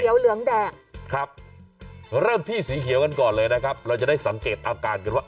เหลืองแดงครับเริ่มที่สีเขียวกันก่อนเลยนะครับเราจะได้สังเกตอาการกันว่า